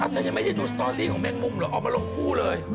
อาจจะยังไม่ได้ดูสตอรี่ของแมงมุมหรอกออกมาลงครูเลย